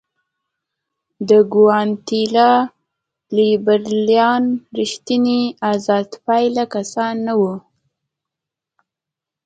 د ګواتیلا لیبرالان رښتیني آزادپاله کسان نه وو.